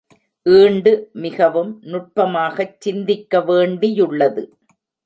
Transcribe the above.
ஈண்டு மிகவும் நுட்பமாகச் சிந்திக்கவேண்டியுள்ளது.